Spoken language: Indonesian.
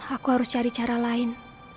aku harus cari cara lain